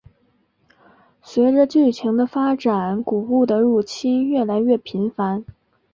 随着剧情的发展古物的入侵越来越频繁。